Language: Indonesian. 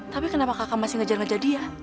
tapi kenapa kakak masih ngejar ngejar dia